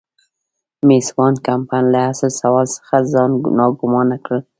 مېس وان کمپن له اصل سوال څخه ځان ناګومانه کړ.